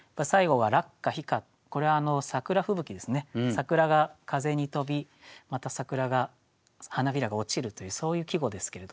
桜が風に飛びまた桜が花びらが落ちるというそういう季語ですけれど。